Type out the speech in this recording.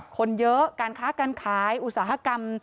คนเยอะการค้าการขายอุตสาหกรรม